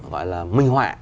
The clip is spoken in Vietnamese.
gọi là minh họa